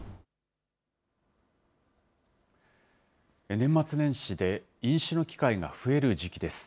年末年始で飲酒の機会が増える時期です。